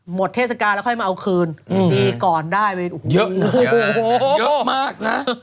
หมดเทศกาแล้วค่อยมาเอาคืนดีก่อนได้โอ้โหโหโหโหเยอะมากนะ